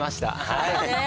はい。